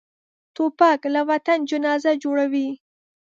توپک له وطن جنازه جوړوي.